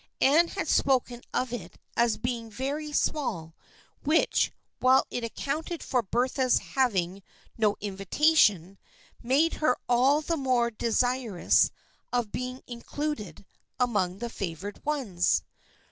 Anne had spoken of it as being very small, which, while it accounted for Bertha's hav ing no invitation, made her all the more desirous of being included among the favored ones.